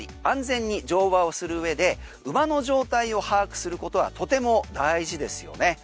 馬と触れ合ったり安全に乗馬をする上で馬の状態を把握することはとても大事ですよね。